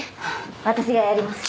私がやります。